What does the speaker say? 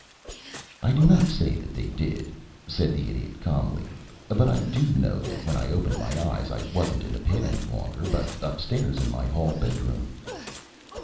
"I do not say that they did," said the Idiot, calmly. "But I do know that when I opened my eyes I wasn't in the pit any longer, but up stairs in my hall bedroom."